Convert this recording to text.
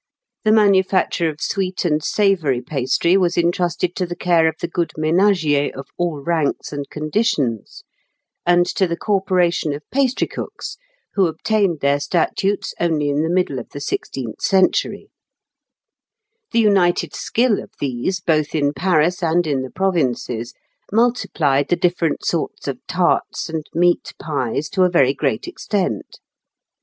The manufacture of sweet and savoury pastry was intrusted to the care of the good ménagiers of all ranks and conditions, and to the corporation of pastrycooks, who obtained their statutes only in the middle of the sixteenth century; the united skill of these, both in Paris and in the provinces, multiplied the different sorts of tarts and meat pies to a very great extent.